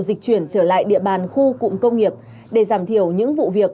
dịch chuyển trở lại địa bàn khu cụm công nghiệp để giảm thiểu những vụ việc